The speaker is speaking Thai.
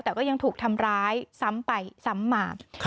แต่ก็ยังถูกทำร้ายซ้ำไปซ้ำมา